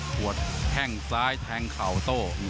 หัวแข้งซ้ายแทงเข่าโต้